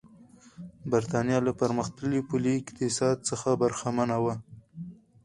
برېټانیا له پرمختللي پولي اقتصاد څخه برخمنه وه.